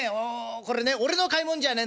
これね俺の買い物じゃねえんだよ。